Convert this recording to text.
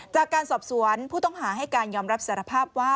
จากการสอบสวนผู้ต้องหาให้การยอมรับสารภาพว่า